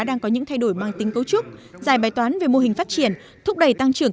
đang có những thay đổi mang tính cấu trúc giải bài toán về mô hình phát triển thúc đẩy tăng trưởng